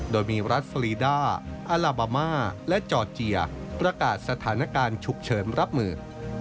โดยมีรัฐฟรีด้าอาลาบามาและจอร์เจียประกาศสถานการณ์ฉุกเฉินรับมือ